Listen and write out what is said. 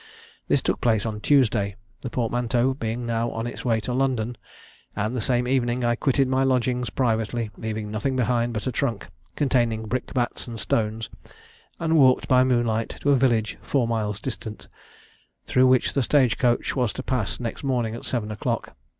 This took place on Tuesday, the portmanteau being now on its way to London; and the same evening I quitted my lodgings privately, leaving nothing behind but a trunk, containing brick bats and stones, and walked by moonlight to a village four miles distant, through which the stage coach was to pass next morning at seven o'clock.